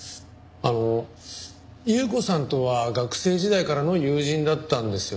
あの優子さんとは学生時代からの友人だったんですよね？